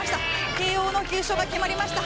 慶応の優勝が決まりました。